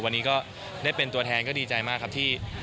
วันนี้ก็ได้เป็นตัวแทนก็ดีใจมากครับที่